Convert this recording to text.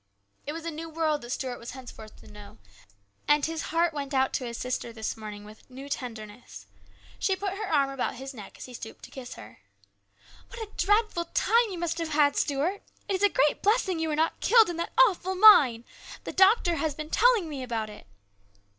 It was a new world that Stuart was henceforth to know, and his heart went out to his sister this morning with a new tenderness. She put her arm about his neck as he stooped to kiss her. " What a dreadful time you must have had, Stuart ! It is a great blessing you were not killed in that awful mine. The doctor has been telling me about it."